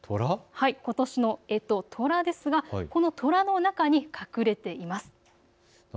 ことしの干支、とらですがこのとらの中に隠れています。